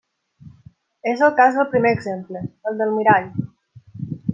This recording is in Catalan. És el cas del primer exemple, el del mirall.